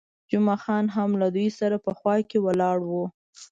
جمعه خان هم له دوی سره په خوا کې ولاړ وو.